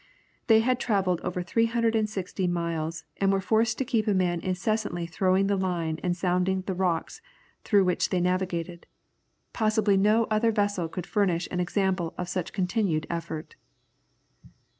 They had travelled over 360 miles, and were forced to keep a man incessantly throwing the line and sounding the rocks through which they navigated. Possibly no other vessel could furnish an example of such continued effort."